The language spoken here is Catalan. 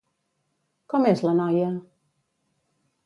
Com és la noia?